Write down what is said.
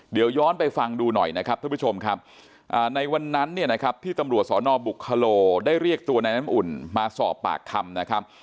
เดี๋ยวย้อนไปฟังดูหน่อยนะครับท่านผู้ชมครับในวันนั้นเนี่ยนะครับที่ตำรวจสนบุคคโลได้เรียกตัวในน้ำอุ่นมาสอบปากคำนะครับ